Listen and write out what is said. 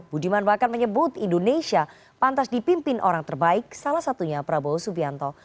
budiman bahkan menyebut indonesia pantas dipimpin orang terbaik salah satunya prabowo subianto